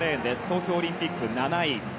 東京オリンピック、７位。